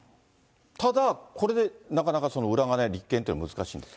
ただ、これでなかなか裏金立件というのは難しいんですか。